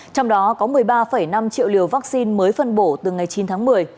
trong đó có một mươi ba năm triệu liều vaccine mới phân bổ từ ngày chín tháng một mươi